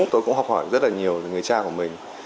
tôi cũng học hỏi rất là nhiều về người cha của mình